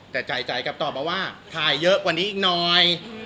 แต่ใจกลับตอบมาว่าถ่ายเยอะกว่านี้อีกหน่อย